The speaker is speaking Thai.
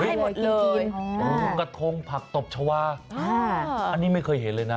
ใกล้หมดเลยกระทงผักตกชวาอันนี้ไม่เคยเห็นเลยนะ